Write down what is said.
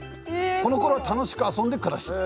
このころは楽しく遊んで暮らしてた。